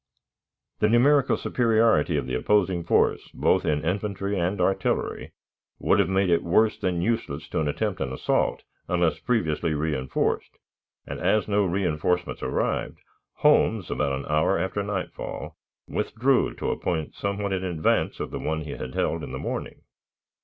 The numerical superiority of the opposing force, both in infantry and artillery, would have made it worse than useless to attempt an assault unless previously reënforced, and, as no reënforcements arrived, Holmes, about an hour after nightfall, withdrew to a point somewhat in advance of the one he had held in the morning.